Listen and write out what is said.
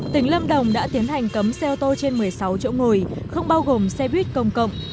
tỉnh lâm đồng đã tiến hành cấm xe ô tô trên một mươi sáu chỗ ngồi không bao gồm xe buýt công cộng